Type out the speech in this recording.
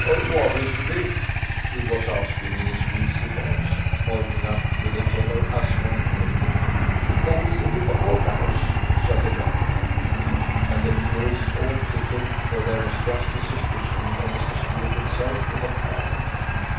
"What's this?" he was asking in his wheezy voice, pointing up with a yellow Assouan cane. "That is a hippopotamus," said the dragoman; and the tourists all tittered, for there was just a suspicion of Mr. Stuart himself in the carving.